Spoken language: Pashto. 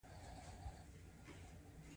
پښتو ژبې ته په اخرو شلو کالونو کې ډېر کار شوی.